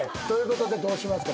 どうしますか？